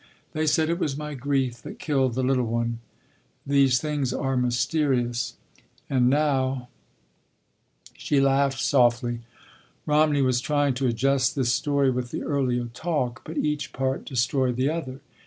They said it was my grief that killed the little one. These things are mysterious.... And now—" She laughed softly. Romney was trying to adjust this story with the earlier talk, but each part destroyed the other.